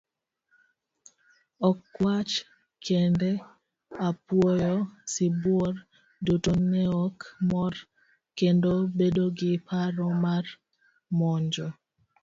Ok kwach kende, apuoyo, sibuor, duto neok mor, kendo bedo gi paro mar monjo.